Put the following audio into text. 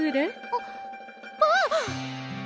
あっわあ！